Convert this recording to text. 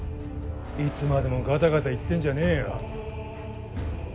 いつまでもガタガタ言ってんじゃねえよ。